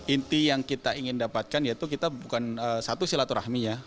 inti yang kita ingin dapatkan yaitu kita bukan satu silaturahmi ya